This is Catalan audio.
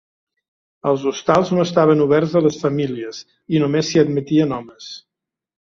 Els hostals no estaven oberts a les famílies i només s'hi admetien homes.